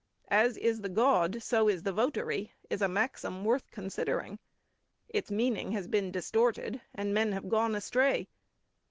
"As is the God, so is the votary," is a maxim worth considering. Its meaning has been distorted, and men have gone astray.